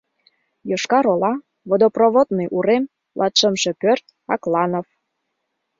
Йошкар-Ола, Водопроводный урем, латшымше пӧрт, Акланов.